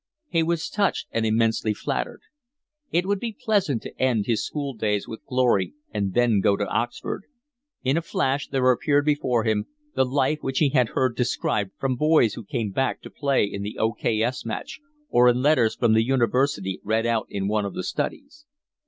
He was touched and immensely flattered. It would be pleasant to end up his school days with glory and then go to Oxford: in a flash there appeared before him the life which he had heard described from boys who came back to play in the O.K.S. match or in letters from the University read out in one of the studies.